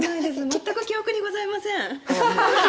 全く記憶にございません！